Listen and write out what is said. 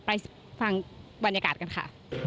ไปฟังบรรยากาศกันค่ะ